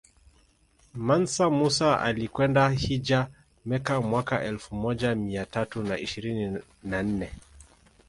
Mansa Musa alikwenda hijja Mecca mwaka elfu moja mia tatu na ishirini na nne